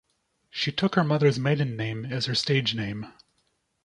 She took her mother's maiden name as her stage name.